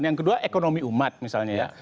yang kedua ekonomi umat misalnya ya